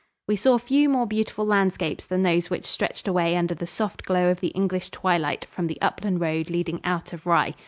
We saw few more beautiful landscapes than those which stretched away under the soft glow of the English twilight from the upland road leading out of Rye.